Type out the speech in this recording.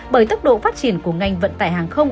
bởi tốc độ phát triển của ngành vận tải hàng không